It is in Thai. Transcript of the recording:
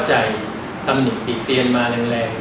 แต่ว่ามีส่วนที่มันออกสื่อไปแล้ว